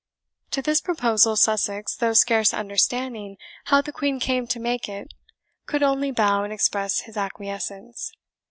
To this proposal Sussex, though scarce understanding how the Queen came to make it could only bow and express his acquiescence.